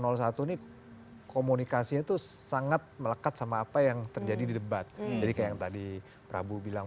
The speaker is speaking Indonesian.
satu nih komunikasinya tuh sangat melekat sama apa yang terjadi di debat jadi kayak yang tadi prabu bilang